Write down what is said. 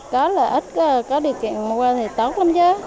có lợi ích có điều kiện mua qua thì tốt lắm chứ